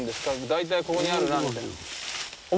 大体ここにあるなみたいのは。